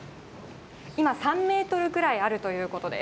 今３メートルぐらいあるということです。